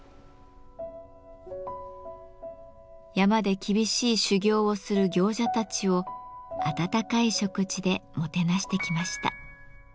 山で厳しい修行をする行者たちを温かい食事でもてなしてきました。